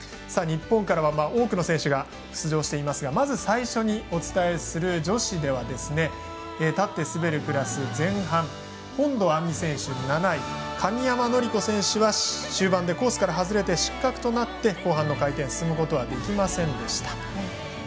日本からは多くの選手が出場していますがまず最初にお伝えする女子では立って滑るクラス前半本堂杏実選手、７位神山則子選手は終盤でコースから外れて失格となって後半の回転進むことはできませんでした。